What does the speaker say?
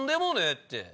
って。